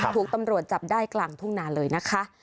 ถูกตำรวจจับได้กลางทุ่งนาเลยนะคะ